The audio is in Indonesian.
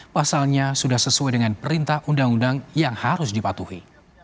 pasalnya sudah sesuai dengan perintah undang undang yang harus dipatuhi